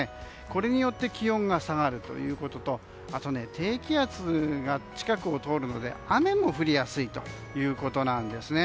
これによって気温が下がるということとあと、低気圧が近くを通るので雨も降りやすいということなんですね。